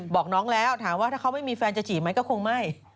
บอกน้องแล้วถามว่าถ้าเขาไม่มีแฟนจะจีบไหมก็คงไม่